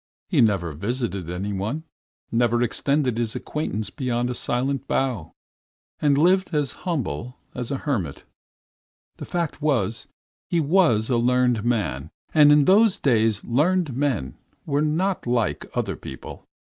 He never visited anyone, never extended his acquaintance beyond a silent bow, and lived as humbly as a hermit. The fact was, he was a learned man, and in those days learned men were not like other people.